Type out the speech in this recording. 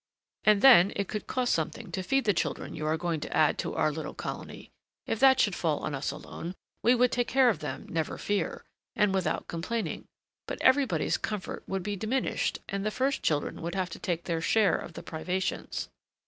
And then, it would cost something to feed the children you are going to add to our little colony. If that should fall on us alone, we would take care of them, never fear, and without complaining; but everybody's comfort would be diminished, and the first children would have to take their share of the privations.